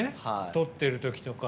撮ってる時とか。